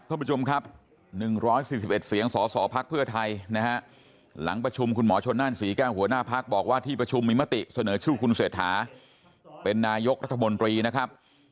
ท่านผู้ชมครับ๑๔๑เสียงสสพักเพื่อไทยนะฮะหลังประชุมคุณหมอชนนั่นศรีแก้วหัวหน้าพักบอกว่าที่ประชุมมีมติเสนอชื่อคุณเศรษฐาเป็นนายกรัฐมนตรีนะครับ